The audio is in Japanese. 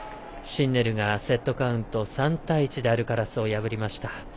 シンネルがセットカウント３対１でアルカラスを破りました。